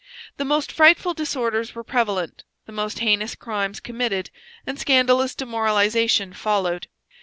The most frightful disorders were prevalent, the most heinous crimes committed, and scandalous demoralization followed.